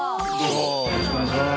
よろしくお願いします。